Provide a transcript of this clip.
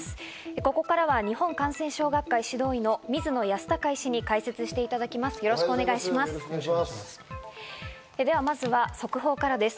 ここからは日本感染症学会・指導医の水野泰孝医師に解説していただきます。